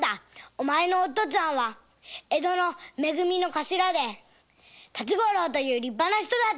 「おまえのお父っつぁんは江戸のめ組の頭で辰五郎という立派な人だ」って。